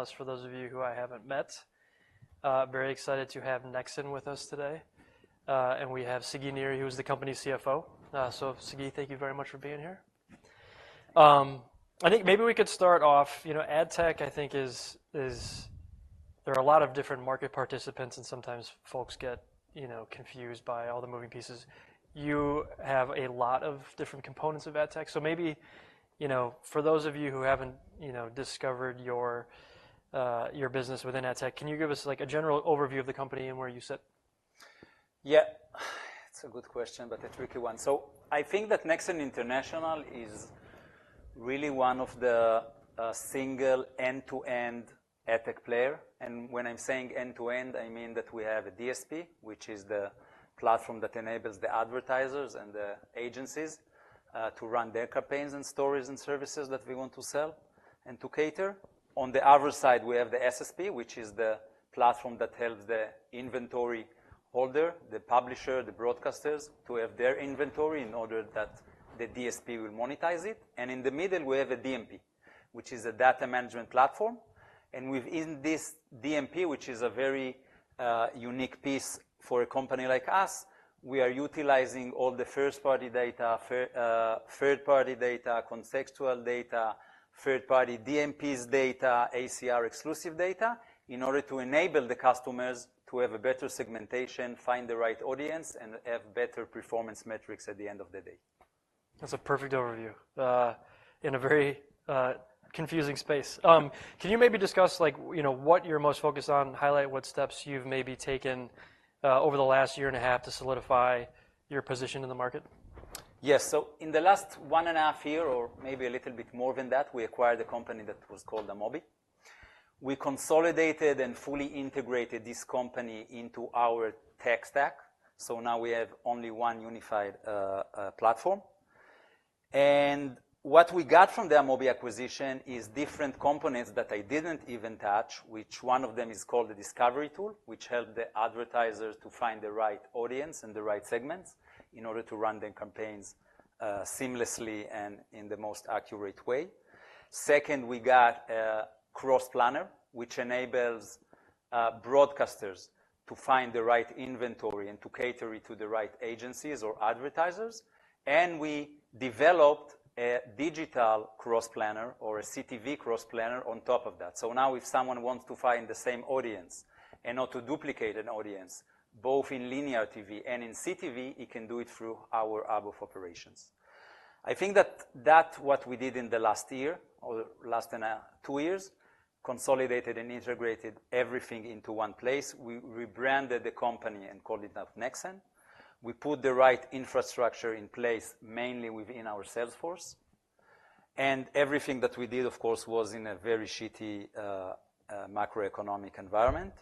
Internet analyst, for those of you who I haven't met. Very excited to have Nexxen with us today. And we have Sagi Niri, who is the company's CFO. So Sagi, thank you very much for being here. I think maybe we could start off, you know, ad tech, I think is—there are a lot of different market participants, and sometimes folks get, you know, confused by all the moving pieces. You have a lot of different components of ad tech. So maybe, you know, for those of you who haven't, you know, discovered your business within ad tech, can you give us, like, a general overview of the company and where you sit? Yeah, it's a good question, but a tricky one. So I think that Nexxen International is really one of the single end-to-end ad tech player. And when I'm saying end-to-end, I mean that we have a DSP, which is the platform that enables the advertisers and the agencies to run their campaigns and stories and services that we want to sell and to cater. On the other side, we have the SSP, which is the platform that helps the inventory holder, the publisher, the broadcasters, to have their inventory in order that the DSP will monetize it. And in the middle, we have a DMP, which is a data management platform. And within this DMP, which is a very unique piece for a company like us, we are utilizing all the first-party data, third-party data, contextual data, third-party DMPs data, ACR-exclusive data, in order to enable the customers to have a better segmentation, find the right audience, and have better performance metrics at the end of the day. That's a perfect overview, in a very, confusing space. Can you maybe discuss, like, you know, what you're most focused on, highlight what steps you've maybe taken, over the last year and a half to solidify your position in the market? Yes. So in the last 1.5 year, or maybe a little bit more than that, we acquired a company that was called Amobee. We consolidated and fully integrated this company into our tech stack, so now we have only one unified platform. And what we got from the Amobee acquisition is different components that I didn't even touch, which one of them is called the Discovery Tool, which help the advertisers to find the right audience and the right segments in order to run their campaigns seamlessly and in the most accurate way. Second, we got Cross Planner, which enables broadcasters to find the right inventory and to cater it to the right agencies or advertisers. And we developed a digital Cross Planner, or a CTV Cross Planner, on top of that. So now if someone wants to find the same audience and not to duplicate an audience, both in linear TV and in CTV, it can do it through our above operations. I think that what we did in the last year, or the last two years, consolidated and integrated everything into one place. We rebranded the company and called it now Nexxen. We put the right infrastructure in place, mainly within our sales force. And everything that we did, of course, was in a very shitty macroeconomic environment.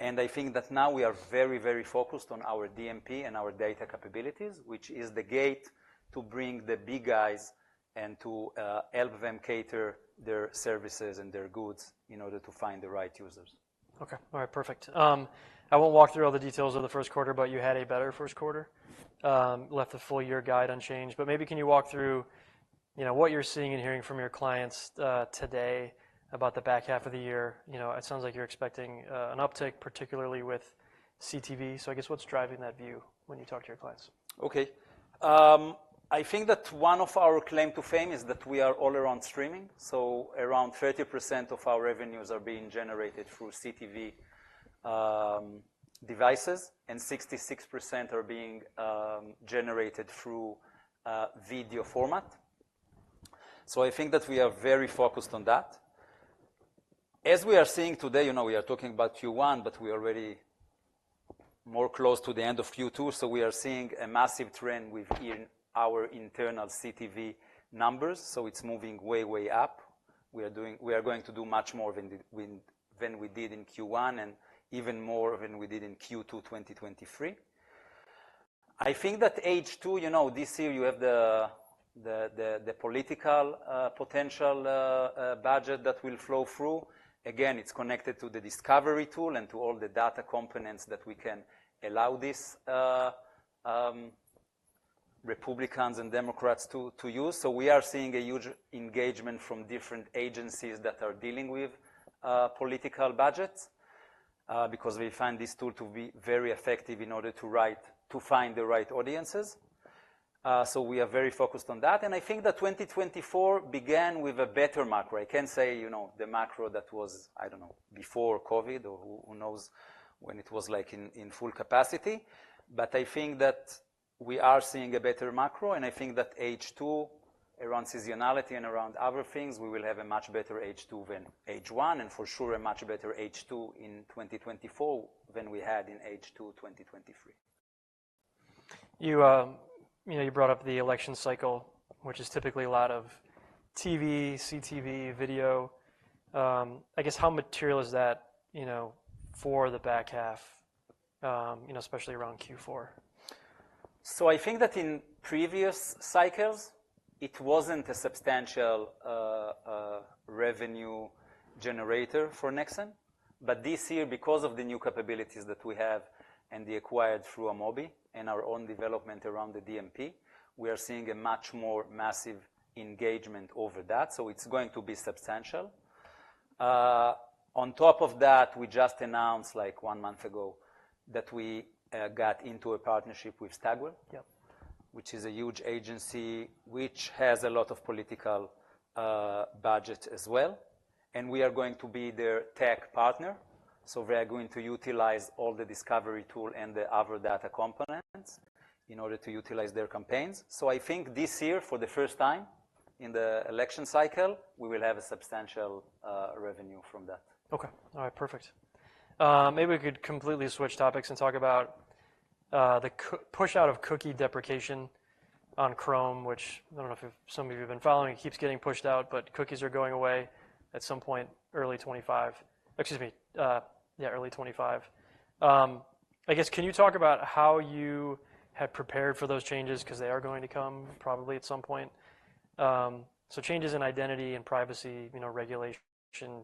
And I think that now we are very, very focused on our DMP and our data capabilities, which is the gate to bring the big guys and to help them cater their services and their goods in order to find the right users. Okay. All right, perfect. I won't walk through all the details of the first quarter, but you had a better first quarter. Left the full year guide unchanged, but maybe can you walk through, you know, what you're seeing and hearing from your clients, today about the back half of the year? You know, it sounds like you're expecting an uptick, particularly with CTV. So I guess, what's driving that view when you talk to your clients? Okay. I think that one of our claim to fame is that we are all around streaming, so around 30% of our revenues are being generated through CTV devices, and 66% are being generated through video format. So I think that we are very focused on that. As we are seeing today, you know, we are talking about Q1, but we are already more close to the end of Q2, so we are seeing a massive trend with, in our internal CTV numbers, so it's moving way, way up. We are going to do much more than we did in Q1, and even more than we did in Q2 2023. I think that H2, you know, this year you have the political potential budget that will flow through. Again, it's connected to the discovery tool and to all the data components that we can allow this, Republicans and Democrats to use. So we are seeing a huge engagement from different agencies that are dealing with political budgets because we find this tool to be very effective in order to find the right audiences. So we are very focused on that. And I think that 2024 began with a better macro. I can't say, you know, the macro that was, I don't know, before COVID or who knows when it was like in full capacity. But I think that we are seeing a better macro, and I think that H2, around seasonality and around other things, we will have a much better H2 than H1, and for sure, a much better H2 in 2024 than we had in H2 2023. You know, you brought up the election cycle, which is typically a lot of TV, CTV, video. I guess, how material is that, you know, for the back half, you know, especially around Q4? So I think that in previous cycles, it wasn't a substantial revenue generator for Nexxen, but this year, because of the new capabilities that we have and the acquired through Amobee and our own development around the DMP, we are seeing a much more massive engagement over that, so it's going to be substantial. On top of that, we just announced, like one month ago, that we got into a partnership with Stagwell. Yep. Which is a huge agency, which has a lot of political budget as well, and we are going to be their tech partner. So we are going to utilize all the Discovery Tool and the other data components in order to utilize their campaigns. So I think this year, for the first time in the election cycle, we will have a substantial revenue from that. Okay. All right, perfect. Maybe we could completely switch topics and talk about the push out of cookie deprecation on Chrome, which I don't know if some of you have been following, it keeps getting pushed out, but cookies are going away at some point early 2025. Excuse me, yeah, early 2025. I guess, can you talk about how you have prepared for those changes? 'Cause they are going to come probably at some point. So changes in identity and privacy, you know, regulation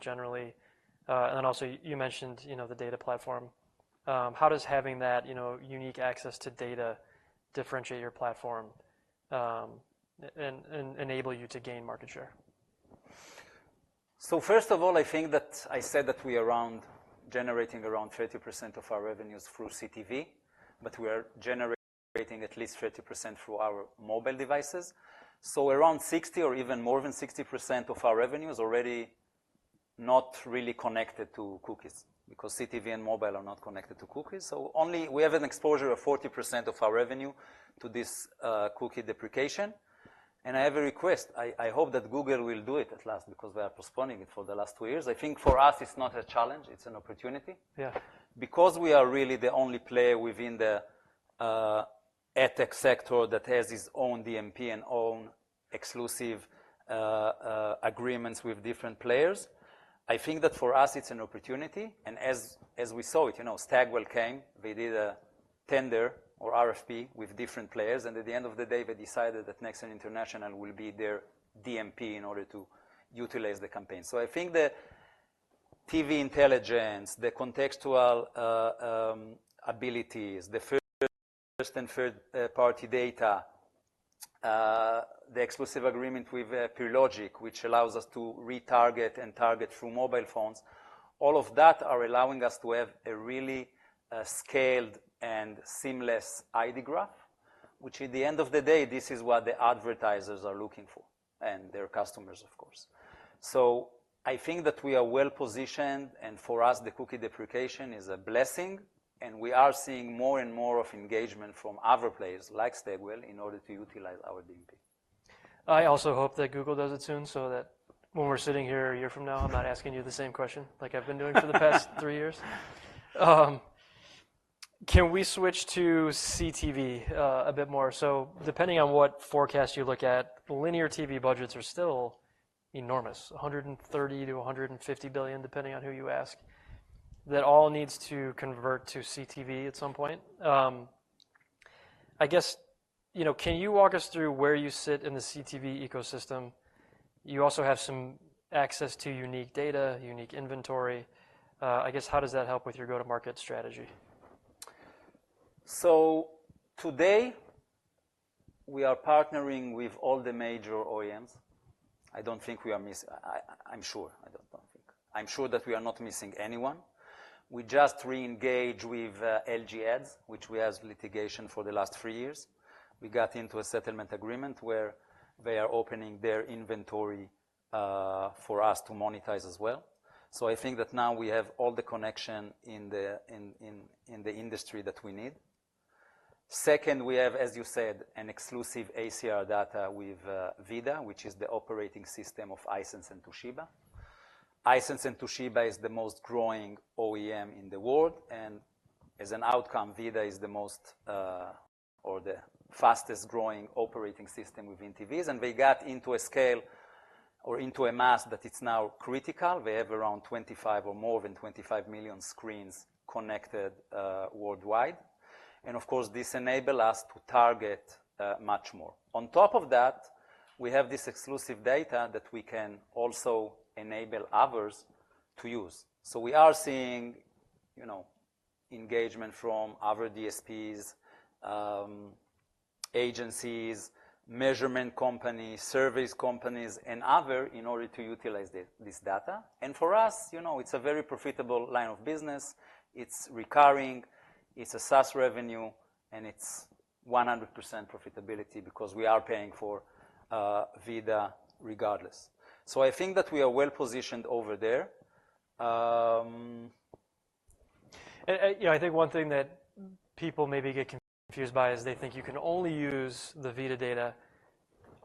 generally, and then also you mentioned, you know, the data platform. How does having that, you know, unique access to data differentiate your platform, and enable you to gain market share? First of all, I think that I said that we around generating around 30% of our revenues through CTV, but we are generating at least 30% through our mobile devices. So around 60% or even more than 60% of our revenue is already not really connected to cookies, because CTV and mobile are not connected to cookies. So only we have an exposure of 40% of our revenue to this cookie deprecation. And I have a request. I hope that Google will do it at last because we are postponing it for the last 2 years. I think for us, it's not a challenge, it's an opportunity. Yeah. Because we are really the only player within the ad tech sector that has its own DMP and own exclusive agreements with different players. I think that for us, it's an opportunity, and as we saw it, you know, Stagwell came, they did a tender or RFP with different players, and at the end of the day, they decided that Nexxen International will be their DMP in order to utilize the campaign. So I think the TV intelligence, the contextual abilities, the first and third party data, the exclusive agreement with PeerLogix, which allows us to retarget and target through mobile phones, all of that are allowing us to have a really scaled and seamless ID graph, which at the end of the day, this is what the advertisers are looking for, and their customers, of course. So I think that we are well positioned, and for us, the cookie deprecation is a blessing, and we are seeing more and more of engagement from other players like Stagwell, in order to utilize our DMP. I also hope that Google does it soon, so that when we're sitting here 1 year from now, I'm not asking you the same question like I've been doing for the past 3 years. Can we switch to CTV a bit more? So depending on what forecast you look at, linear TV budgets are still enormous, $130 billion-$150 billion, depending on who you ask. That all needs to convert to CTV at some point. I guess, you know, can you walk us through where you sit in the CTV ecosystem? You also have some access to unique data, unique inventory. I guess, how does that help with your go-to-market strategy? So today, we are partnering with all the major OEMs. I'm sure that we are not missing anyone. We just re-engage with LG Ads, which we has litigation for the last three years. We got into a settlement agreement where they are opening their inventory for us to monetize as well. So I think that now we have all the connection in the industry that we need. Second, we have, as you said, an exclusive ACR data with VIDAA, which is the operating system of Hisense and Toshiba. Hisense and Toshiba is the most growing OEM in the world, and as an outcome, VIDAA is the most or the fastest-growing operating system within TVs. And we got into a scale or into a mass that it's now critical. We have around 25 or more than 25 million screens connected worldwide. Of course, this enables us to target much more. On top of that, we have this exclusive data that we can also enable others to use. So we are seeing, you know, engagement from other DSPs, agencies, measurement companies, service companies, and others in order to utilize this data. And for us, you know, it's a very profitable line of business. It's recurring, it's a SaaS revenue, and it's 100% profitability because we are paying for VIDAA regardless. So I think that we are well positioned over there. You know, I think one thing that people maybe get confused by is they think you can only use the VIDAA data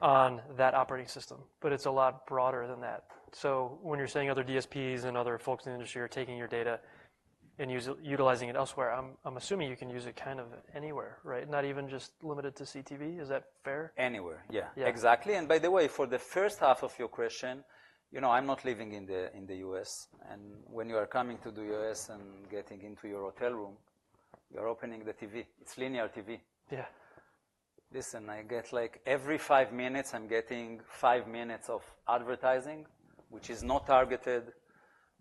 on that operating system, but it's a lot broader than that. So when you're saying other DSPs and other folks in the industry are taking your data and utilizing it elsewhere, I'm assuming you can use it kind of anywhere, right? Not even just limited to CTV. Is that fair? Anywhere, yeah. Yeah. Exactly. And by the way, for the first half of your question, you know, I'm not living in the, in the U.S., and when you are coming to the U.S. and getting into your hotel room, you're opening the TV. It's linear TV. Yeah.... listen, I get like every five minutes, I'm getting five minutes of advertising, which is not targeted,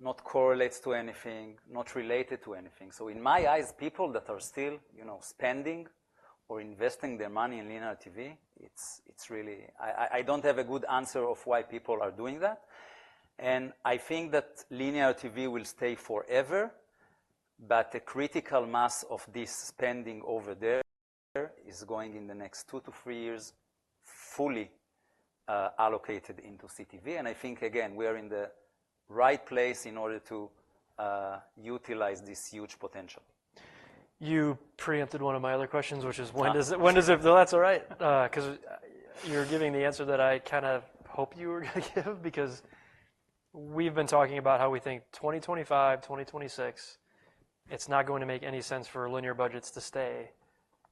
not correlates to anything, not related to anything. So in my eyes, people that are still, you know, spending or investing their money in linear TV, it's really—I don't have a good answer of why people are doing that. And I think that linear TV will stay forever, but the critical mass of this spending over there is going in the next two to three years, fully allocated into CTV. And I think, again, we are in the right place in order to utilize this huge potential. You preempted one of my other questions, which is- Yeah. No, that's all right. 'Cause you're giving the answer that I kind of hoped you were gonna give, because we've been talking about how we think 2025, 2026, it's not going to make any sense for linear budgets to stay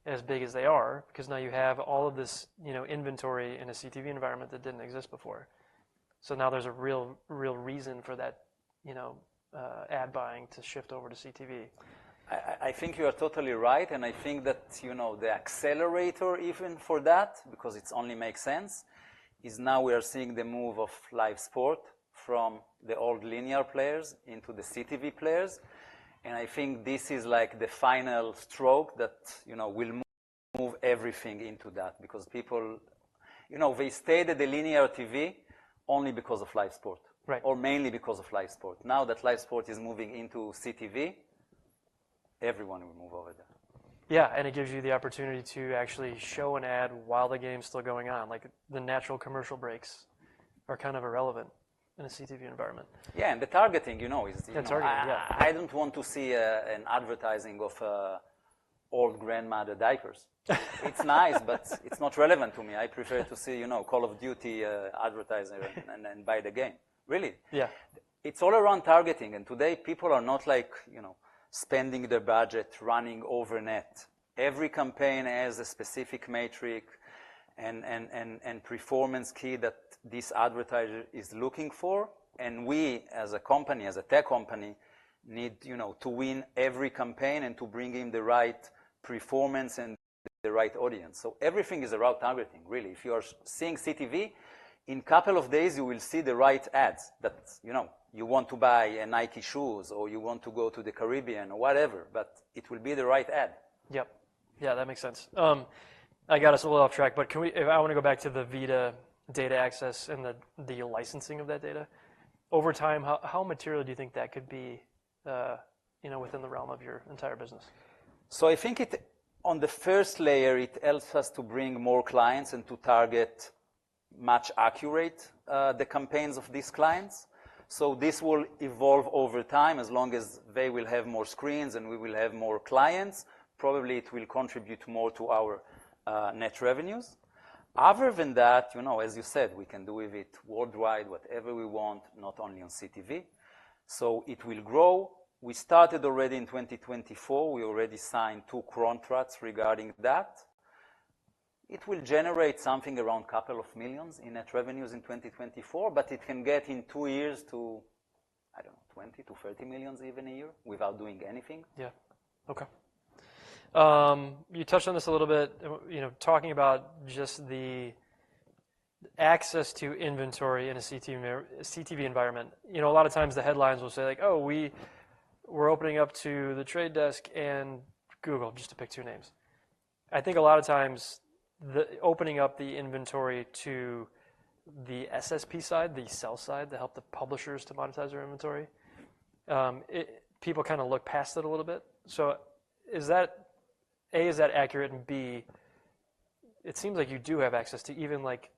as big as they are, because now you have all of this, you know, inventory in a CTV environment that didn't exist before. So now there's a real, real reason for that, you know, ad buying to shift over to CTV. I think you are totally right, and I think that, you know, the accelerator even for that, because it's only makes sense, is now we are seeing the move of live sport from the old linear players into the CTV players. And I think this is like the final stroke that, you know, will move everything into that. Because people... You know, we stayed at the linear TV only because of live sport. Right. Mainly because of live sport. Now that live sport is moving into CTV, everyone will move over there. Yeah, and it gives you the opportunity to actually show an ad while the game's still going on. Like, the natural commercial breaks are kind of irrelevant in a CTV environment. Yeah, and the targeting, you know, is- The targeting, yeah. I don't want to see an advertising of old grandmother diapers. It's nice, but it's not relevant to me. I prefer to see, you know, Call of Duty advertising- Right... and then buy the game. Really. Yeah. It's all around targeting, and today, people are not like, you know, spending their budget running over net. Every campaign has a specific metric and performance key that this advertiser is looking for, and we, as a company, as a tech company, need, you know, to win every campaign and to bring in the right performance and the right audience. So everything is around targeting, really. If you are seeing CTV, in couple of days, you will see the right ads that, you know, you want to buy a Nike shoes, or you want to go to the Caribbean or whatever, but it will be the right ad. Yep. Yeah, that makes sense. I got us a little off track, but can we- I want to go back to the VIDAA data access and the, the licensing of that data. Over time, how, how material do you think that could be, you know, within the realm of your entire business? So I think on the first layer, it helps us to bring more clients and to target much more accurate the campaigns of these clients. So this will evolve over time, as long as they will have more screens and we will have more clients. Probably, it will contribute more to our net revenues. Other than that, you know, as you said, we can do with it worldwide, whatever we want, not only on CTV. So it will grow. We started already in 2024. We already signed two contracts regarding that. It will generate something around a couple of millions in net revenues in 2024, but it can get in two years to, I don't know, $20 million-$30 million even a year without doing anything. Yeah. Okay. You touched on this a little bit, you know, talking about just the access to inventory in a CTV environment. You know, a lot of times the headlines will say like: "Oh, we're opening up to The Trade Desk and Google," just to pick two names. I think a lot of times, the opening up the inventory to the SSP side, the sell side, to help the publishers to monetize their inventory, people kind of look past it a little bit. So is that, A, is that accurate? And B, it seems like you do have access to even like,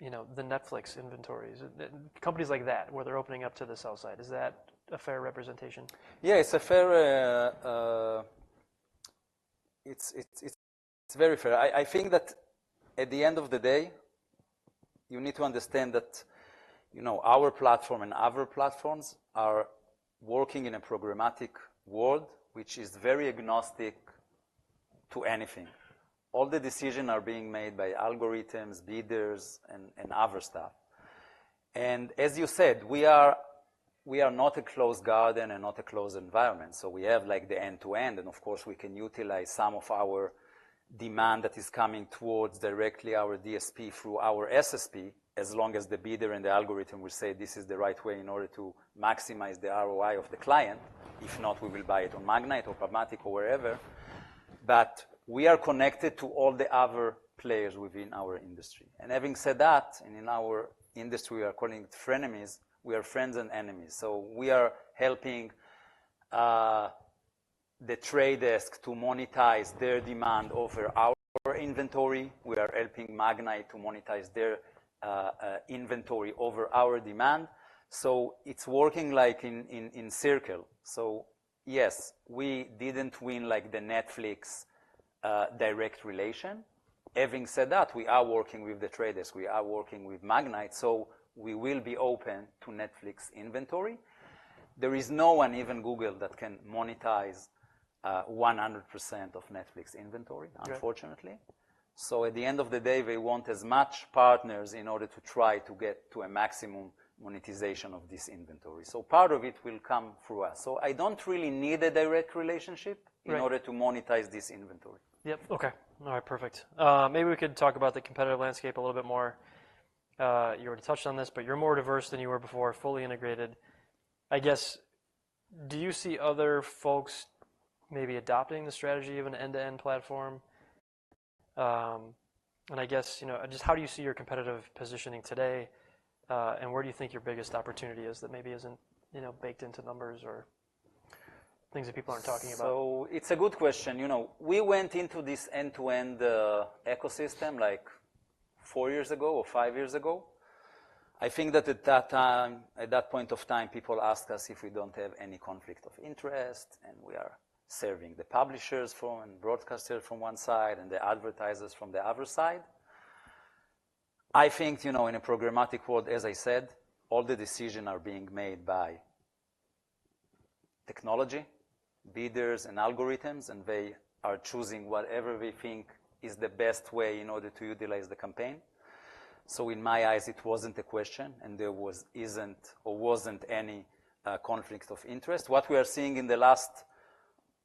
you know, the Netflix inventories, companies like that, where they're opening up to the sell side. Is that a fair representation? Yeah, it's a fair. It's very fair. I think that at the end of the day, you know, our platform and other platforms are working in a programmatic world, which is very agnostic to anything. All the decision are being made by algorithms, bidders, and other stuff. And as you said, we are not a closed garden and not a closed environment, so we have, like, the end-to-end. And of course, we can utilize some of our demand that is coming towards directly our DSP through our SSP, as long as the bidder and the algorithm will say this is the right way in order to maximize the ROI of the client. If not, we will buy it on Magnite or PubMatic or wherever. But we are connected to all the other players within our industry. And having said that, in our industry, we are calling it frenemies, we are friends and enemies. So we are helping The Trade Desk to monetize their demand over our inventory. We are helping Magnite to monetize their inventory over our demand. So it's working like in a circle. So yes, we didn't win, like, the Netflix direct relation. Having said that, we are working with The Trade Desk, we are working with Magnite, so we will be open to Netflix inventory. There is no one, even Google, that can monetize 100% of Netflix inventory. Right... unfortunately. So at the end of the day, they want as much partners in order to try to get to a maximum monetization of this inventory. So part of it will come through us. So I don't really need a direct relationship- Right... in order to monetize this inventory. Yep. Okay. All right, perfect. Maybe we could talk about the competitive landscape a little bit more... you already touched on this, but you're more diverse than you were before, fully integrated. I guess, do you see other folks maybe adopting the strategy of an end-to-end platform? And I guess, you know, just how do you see your competitive positioning today, and where do you think your biggest opportunity is that maybe isn't, you know, baked into numbers or things that people aren't talking about? It's a good question. You know, we went into this end-to-end ecosystem like 4 years ago or 5 years ago. I think that at that time, at that point of time, people asked us if we don't have any conflict of interest, and we are serving the publishers from broadcasters from one side and the advertisers from the other side. I think, you know, in a programmatic world, as I said, all the decision are being made by technology, bidders, and algorithms, and they are choosing whatever they think is the best way in order to utilize the campaign. In my eyes, it wasn't a question, and there isn't or wasn't any conflict of interest. What we are seeing in the last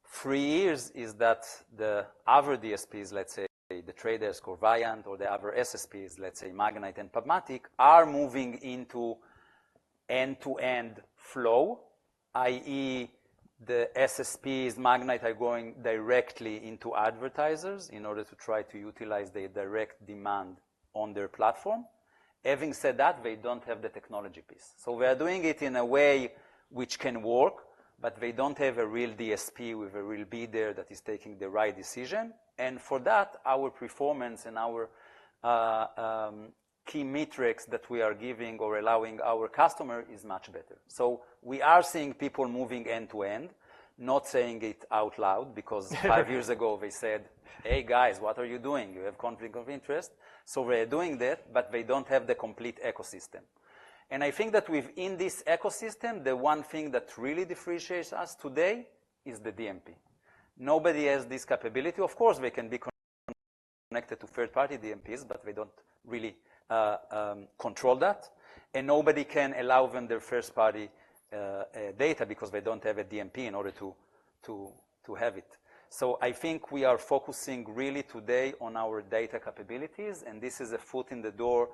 three years is that the other DSPs, let's say, the traders, Viant, or the other SSPs, let's say, Magnite and PubMatic, are moving into end-to-end flow, i.e., the SSPs, Magnite, are going directly into advertisers in order to try to utilize the direct demand on their platform. Having said that, they don't have the technology piece. So we are doing it in a way which can work, but they don't have a real DSP with a real bidder that is taking the right decision. And for that, our performance and our key metrics that we are giving or allowing our customer is much better. So we are seeing people moving end-to-end, not saying it out loud, because five years ago they said, "Hey, guys, what are you doing? You have conflict of interest." So they are doing that, but they don't have the complete ecosystem. And I think that within this ecosystem, the one thing that really differentiates us today is the DMP. Nobody has this capability. Of course, we can be connected to third-party DMPs, but we don't really control that, and nobody can allow them their first-party data because they don't have a DMP in order to have it. So I think we are focusing really today on our data capabilities, and this is a foot in the door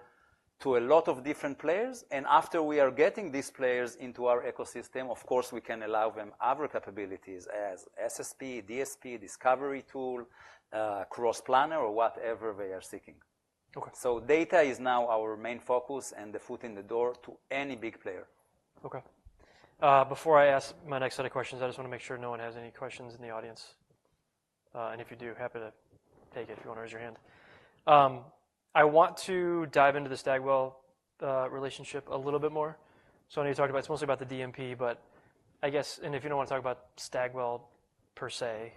to a lot of different players. And after we are getting these players into our ecosystem, of course, we can allow them other capabilities as SSP, DSP, Discovery Tool, Cross Planner, or whatever they are seeking. Okay. So data is now our main focus and the foot in the door to any big player. Okay. Before I ask my next set of questions, I just want to make sure no one has any questions in the audience. And if you do, happy to take it, if you want to raise your hand. I want to dive into the Stagwell relationship a little bit more. So I know you talked about, it's mostly about the DMP, but I guess... And if you don't want to talk about Stagwell per se,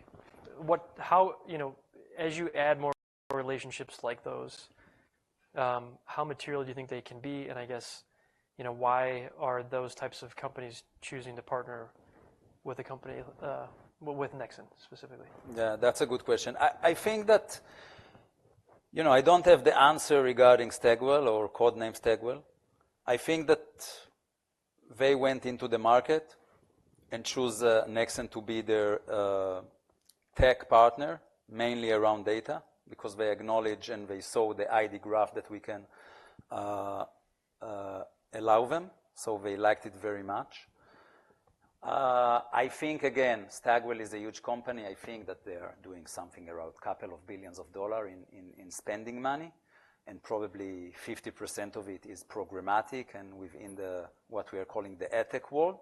how, you know, as you add more relationships like those, how material do you think they can be? And I guess, you know, why are those types of companies choosing to partner with a company with Nexxen specifically? Yeah, that's a good question. I think that, you know, I don't have the answer regarding Stagwell or code name Stagwell. I think that they went into the market and choose Nexxen to be their tech partner, mainly around data, because they acknowledge and they saw the ID graph that we can allow them, so they liked it very much. I think, again, Stagwell is a huge company. I think that they are doing something around a couple of billions of dollars in spending money, and probably 50% of it is programmatic and within the what we are calling the ad tech world.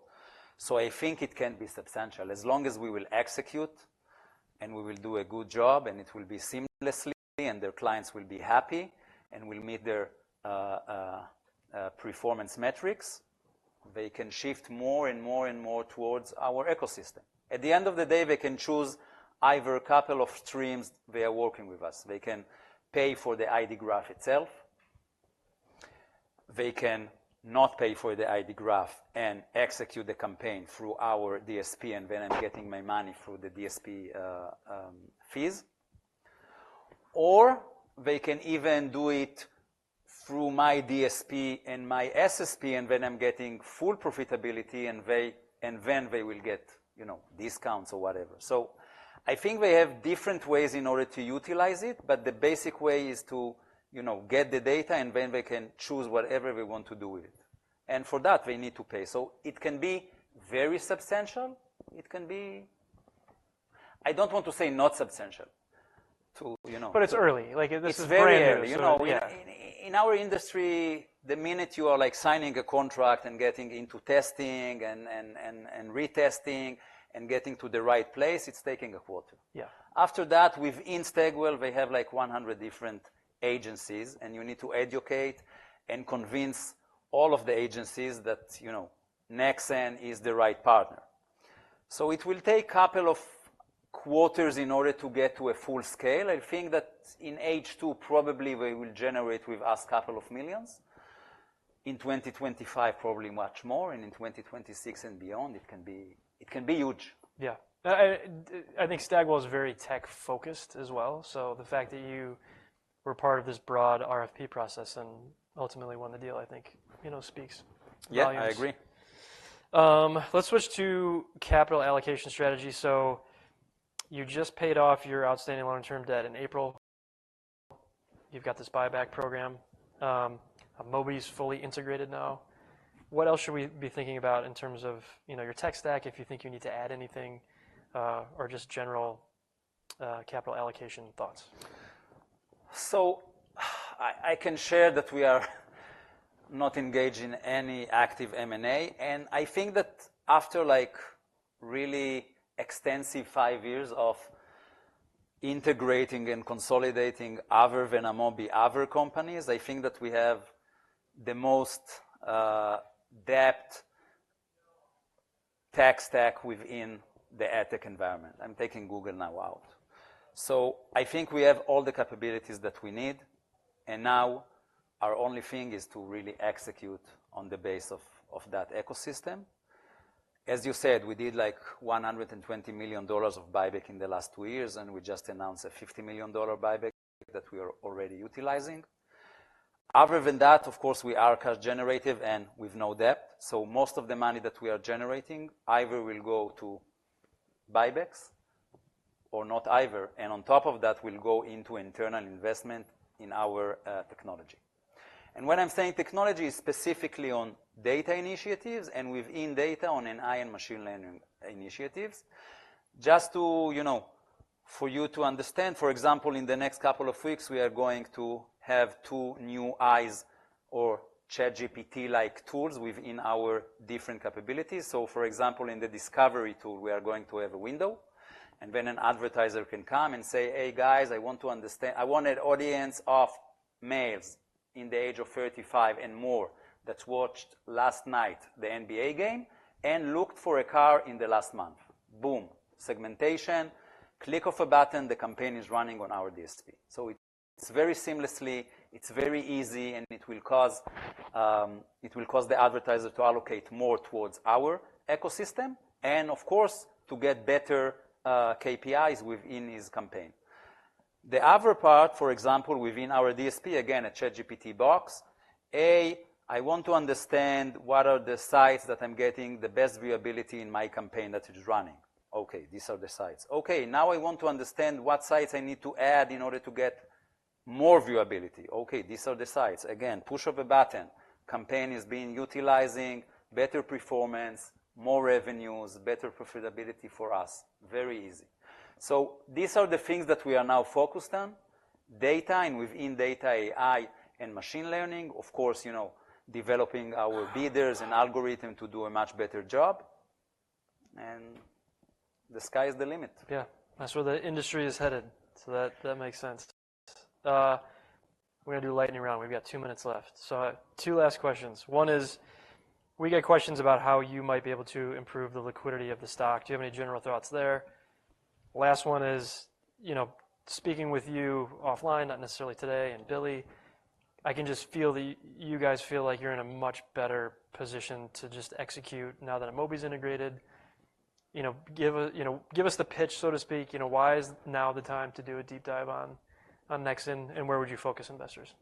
So I think it can be substantial. As long as we will execute, and we will do a good job, and it will be seamlessly, and their clients will be happy, and we'll meet their performance metrics, they can shift more and more and more towards our ecosystem. At the end of the day, they can choose either a couple of streams, they are working with us. They can pay for the ID graph itself, they can not pay for the ID graph and execute the campaign through our DSP, and then I'm getting my money through the DSP fees. Or they can even do it through my DSP and my SSP, and then I'm getting full profitability, and then they will get, you know, discounts or whatever. So I think they have different ways in order to utilize it, but the basic way is to, you know, get the data, and then they can choose whatever they want to do with it. And for that, they need to pay. So it can be very substantial, it can be... I don't want to say not substantial to, you know- It's early, like this is brand new. It's very early. Yeah. You know, in our industry, the minute you are, like, signing a contract and getting into testing and retesting and getting to the right place, it's taking a quarter. Yeah. After that, within Stagwell, they have, like, 100 different agencies, and you need to educate and convince all of the agencies that, you know, Nexxen is the right partner. So it will take a couple of quarters in order to get to a full scale. I think that in H2, probably we will generate with us $ a couple of million. In 2025, probably much more, and in 2026 and beyond, it can be, it can be huge. Yeah. I think Stagwell is very tech-focused as well, so the fact that you were part of this broad RFP process and ultimately won the deal, I think, you know, speaks volumes. Yeah, I agree.... Let's switch to capital allocation strategy. So you just paid off your outstanding long-term debt in April. You've got this buyback program. Amobee's fully integrated now. What else should we be thinking about in terms of, you know, your tech stack, if you think you need to add anything, or just general capital allocation thoughts? I can share that we are not engaged in any active M&A, and I think that after, like, really extensive five years of integrating and consolidating other than Amobee, other companies, I think that we have the most depth tech stack within the ad tech environment. I'm taking Google now out. So I think we have all the capabilities that we need, and now our only thing is to really execute on the base of that ecosystem. As you said, we did, like, $120 million of buyback in the last two years, and we just announced a $50 million buyback that we are already utilizing. Other than that, of course, we are cash generative and with no debt, so most of the money that we are generating either will go to buybacks or not either, and on top of that, will go into internal investment in our technology. And when I'm saying technology, it's specifically on data initiatives and within data, on AI and machine learning initiatives. Just to, you know, for you to understand, for example, in the next couple of weeks, we are going to have two new AIs or ChatGPT-like tools within our different capabilities. So, for example, in the Discovery Tool, we are going to have a window, and then an advertiser can come and say, "Hey, guys, I want to understand- I want an audience of males in the age of 35 and more that's watched last night the NBA game and looked for a car in the last month." Boom, segmentation, click of a button, the campaign is running on our DSP. So it's very seamlessly, it's very easy, and it will cause, it will cause the advertiser to allocate more towards our ecosystem, and of course, to get better KPIs within his campaign. The other part, for example, within our DSP, again, a ChatGPT box, AI, I want to understand what are the sites that I'm getting the best viewability in my campaign that is running. Okay, these are the sites. Okay, now I want to understand what sites I need to add in order to get more viewability. Okay, these are the sites. Again, push of a button, campaign is being utilizing better performance, more revenues, better profitability for us. Very easy. So these are the things that we are now focused on, data and within data, AI, and machine learning. Of course, you know, developing our bidders and algorithm to do a much better job, and the sky is the limit. Yeah, that's where the industry is headed, so that, that makes sense. We're going to do a lightning round. We've got two minutes left. So two last questions. One is, we get questions about how you might be able to improve the liquidity of the stock. Do you have any general thoughts there? Last one is, you know, speaking with you offline, not necessarily today and Billy, I can just feel that you guys feel like you're in a much better position to just execute now that Amobee's integrated. You know, give a, you know, give us the pitch, so to speak. You know, why is now the time to do a deep dive on, on Nexxen, and where would you focus investors?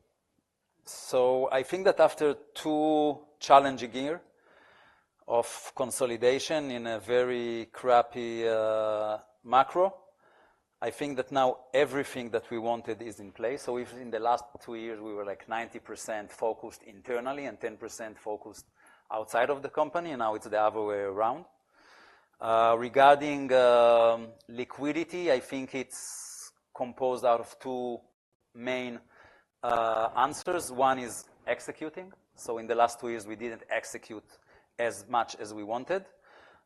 So I think that after two challenging years of consolidation in a very crappy macro, I think that now everything that we wanted is in place. So if in the last two years, we were, like, 90% focused internally and 10% focused outside of the company, now it's the other way around. Regarding liquidity, I think it's composed out of two main answers. One is executing. So in the last two years, we didn't execute as much as we wanted,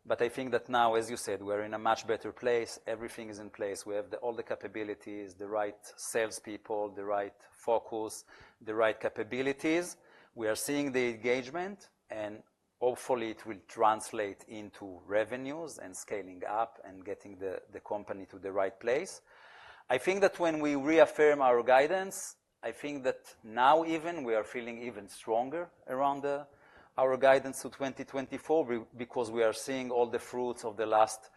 but I think that now, as you said, we're in a much better place. Everything is in place. We have all the capabilities, the right salespeople, the right focus, the right capabilities. We are seeing the engagement, and hopefully, it will translate into revenues and scaling up and getting the company to the right place. I think that when we reaffirm our guidance, I think that now even we are feeling even stronger around our guidance to 2024, because we are seeing all the fruits of the last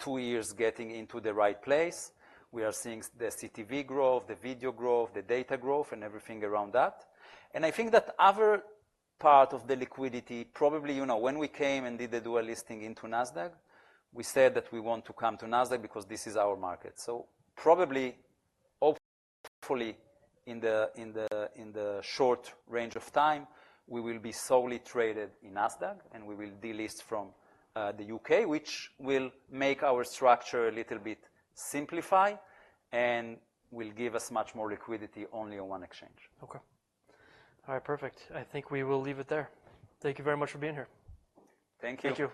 two years getting into the right place. We are seeing the CTV growth, the video growth, the data growth, and everything around that. And I think that other part of the liquidity, probably, you know, when we came and did the dual listing into Nasdaq, we said that we want to come to Nasdaq because this is our market. So probably, hopefully, in the short range of time, we will be solely traded in Nasdaq, and we will delist from the U.K., which will make our structure a little bit simplified and will give us much more liquidity only on one exchange. Okay. All right, perfect. I think we will leave it there. Thank you very much for being here. Thank you.